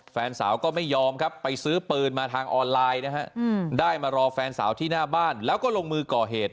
แฟนสาวก็ไม่ยอมครับไปซื้อปืนมาทางออนไลน์นะฮะได้มารอแฟนสาวที่หน้าบ้านแล้วก็ลงมือก่อเหตุ